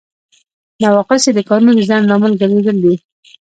نواقص یې د کارونو د ځنډ لامل ګرځیدل دي.